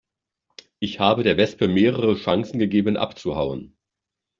Ich habe der Wespe mehrere Chancen gegeben abzuhauen.